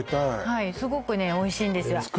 はいすごくねおいしいんですよ